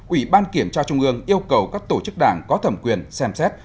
ủy ban kiểm tra trung ương yêu cầu các tổ chức đảng có thẩm quyền xem xét